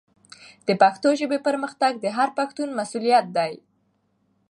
د پښتو ژبې پرمختګ د هر پښتون مسؤلیت دی.